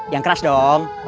yang keras dong